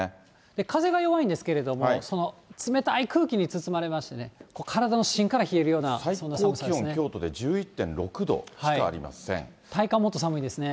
風が弱いんですけれども、その冷たい空気に包まれましてね、最高気温、京都で１１．６度体感はもっと寒いですね。